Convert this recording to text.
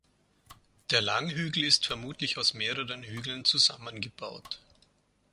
Der Langhügel ist vermutlich aus mehreren Hügeln zusammengebaut.